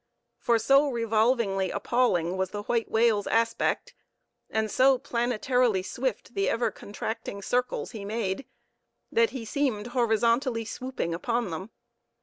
For so revolvingly appalling was the white whale's aspect, and so planetarily swift the ever contracting circles he made, that he seemed horizontally swooping upon them.